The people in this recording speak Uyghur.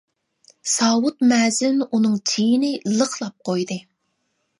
ساۋۇت مەزىن ئۇنىڭ چېيىنى لىقلاپ قويدى.